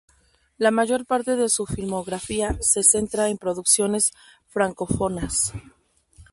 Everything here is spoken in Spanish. La mayor parte de su filmografía se centra en producciones francófonas.